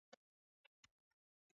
Hata hivyo mbunge wa Georgia